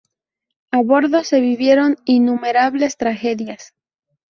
A bordo se vivieron innumerables tragedias.